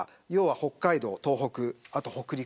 北海道と東北と北陸。